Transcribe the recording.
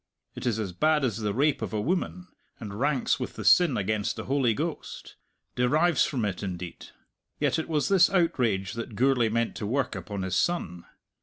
It is as bad as the rape of a woman, and ranks with the sin against the Holy Ghost derives from it, indeed. Yet it was this outrage that Gourlay meant to work upon his son.